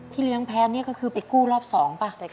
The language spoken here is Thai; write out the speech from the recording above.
เลี้ยงแพ้นี่ก็คือไปกู้รอบ๒ป่ะ